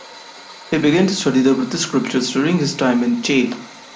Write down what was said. He began to study the Buddhist scriptures during his time in jail.